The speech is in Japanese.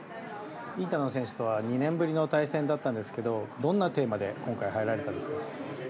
インタノン選手とは２年ぶりの対戦だったんですけどどんなテーマで今回、入られたんですか？